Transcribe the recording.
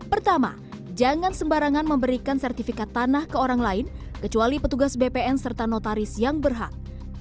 pertama jangan sembarangan memberikan sertifikat tanah ke orang lain kecuali petugas bpn serta notaris yang berhak